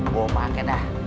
bawa pakai dah